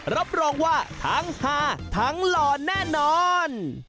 รับรองว่าทั้งฮาทั้งหล่อแน่นอน